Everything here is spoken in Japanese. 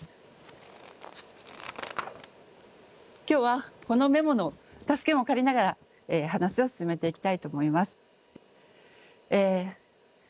今日はこのメモの助けも借りながら話を進めていきたいと思います。